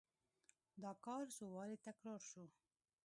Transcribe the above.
دا کار څو وارې تکرار شو.